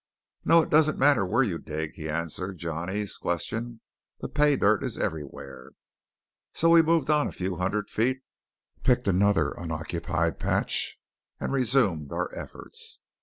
"No, it doesn't matter where you dig," he answered Johnny's question. "The pay dirt is everywhere." So we moved on a few hundred feet, picked another unoccupied patch, and resumed our efforts.